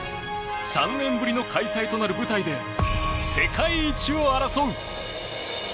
３年ぶりの開催となる舞台で世界一を争う。